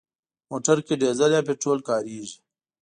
موټر کې ډيزل یا پټرول کارېږي.